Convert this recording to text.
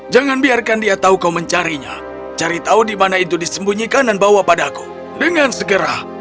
jangan biarkan dia tahu kau mencarinya cari tahu di mana itu disembunyikan dan bawa padaku dengan segera